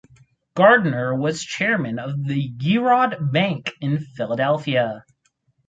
Gardner was chairman of the Girard Bank in Philadelphia.